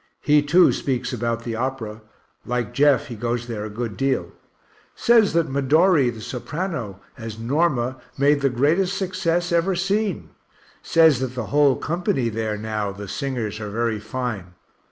He too speaks about the Opera like Jeff he goes there a good deal says that Medori, the soprano, as Norma made the greatest success ever seen says that the whole company there now, the singers, are very fine.